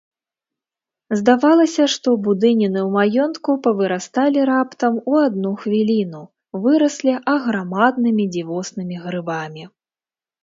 Здавалася, што будыніны ў маёнтку павырасталі раптам, у адну хвіліну, выраслі аграмаднымі дзівоснымі грыбамі.